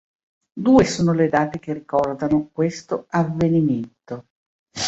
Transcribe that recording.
Due sono le date che ricordano questo avvenimento.